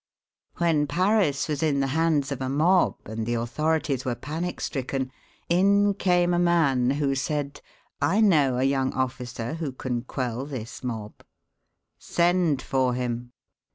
When Paris was in the hands of a mob, and the authorities were panic stricken, in came a man who said, "I know a young officer who can quell this mob." "Send for him."